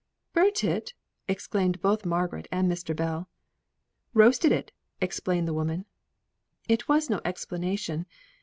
"Burnt it!" exclaimed both Margaret and Mr. Bell. "Roasted it!" explained the woman. It was no explanation.